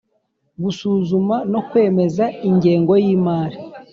Gusuzuma no kwemeza ingengo y imari